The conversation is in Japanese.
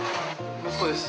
息子です。